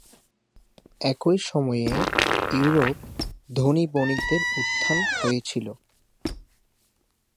একই সময়ে, ইউরোপ "ধনী বণিকদের উত্থান" হয়েছিলো।